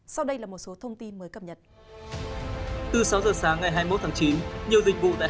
sau đây là một số thông tin mới cập nhật